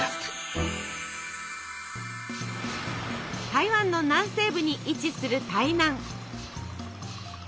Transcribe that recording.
台湾の南西部に位置する台南。